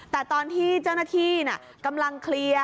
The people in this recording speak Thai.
แต่ตอนที่เจ้าหน้าที่กำลังเคลียร์